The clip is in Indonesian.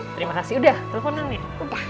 terima kasih udah teleponan nih